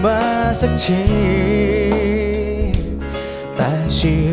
ไปชมกันได้เลย